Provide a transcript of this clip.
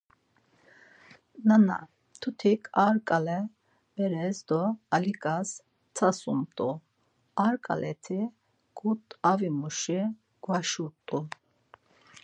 Nana mtutik ar ǩale beres do Aliǩas tsadumt̆u; ar ǩaleti ǩut̆avimuşi gvaşurt̆u.